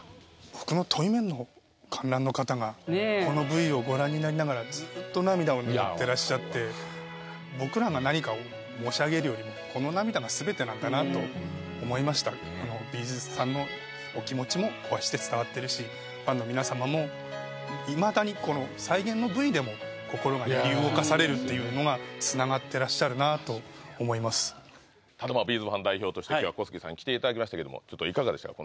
僕の対面の観覧の方がこのを拭ってらっしゃって僕らが何かを申し上げるよりもこの涙が全てなんだなと思いました「Ｂ’ｚ」さんのお気持ちもこうして伝わってるしファンの皆様もいまだにこの再現のＶでも心が揺り動かされるっていうのが繋がってらっしゃるなと思います「Ｂ’ｚ」ファン代表として今日は小杉さん来ていただきましたがちょっといかがでしたか？